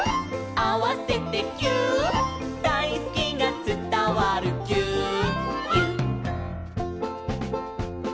「あわせてぎゅーっ」「だいすきがつたわるぎゅーっぎゅっ」